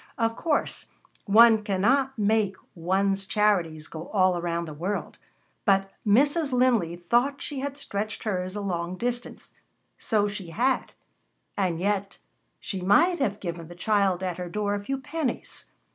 Of course one cannot make one's charities go all around the world, but Mrs. Linley thought she had stretched hers a long distance. So she had. And yet she might have given the child at her door a few pennies.